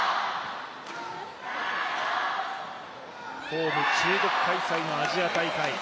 ホーム中国開催のアジア大会。